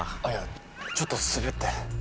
あっいやちょっと滑って。